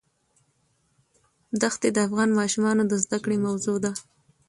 ښتې د افغان ماشومانو د زده کړې موضوع ده.